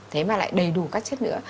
thế mà lại đầy đủ các chất nữa